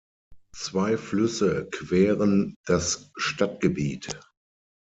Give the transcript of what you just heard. Zwei Flüsse queren das Stadtgebiet.